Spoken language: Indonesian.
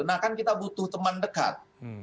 nah kan kita butuh teman dekat